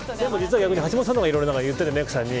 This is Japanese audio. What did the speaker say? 橋下さんのがいろいろ言っていてメークさんに。